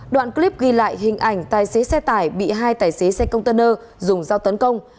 đoạn clip ghi lại hình ảnh tài xế xe tải bị hai tài xế xe container dùng dao tấn công